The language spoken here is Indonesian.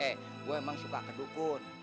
eh gue emang suka kedukun